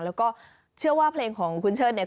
แล้วก็เชื่อว่าเพลงของคุณเชิดเนี่ย